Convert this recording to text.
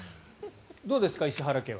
どうですか、石原家は。